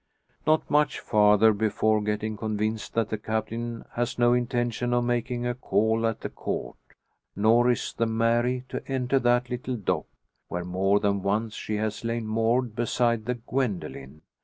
Not much farther before getting convinced that the Captain has no intention of making a call at the Court, nor is the Mary to enter that little dock, where more than once she has lain moored beside the Gwendoline.